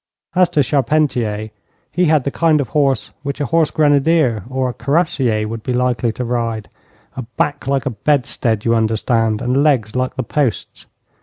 As to Charpentier, he had the kind of horse which a horse grenadier or a cuirassier would be likely to ride: a back like a bedstead, you understand, and legs like the posts.